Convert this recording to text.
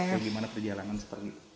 bagaimana perjalanan seperti itu